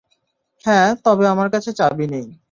হ্যাঁ, তবে আমার কাছে চাবি নেই।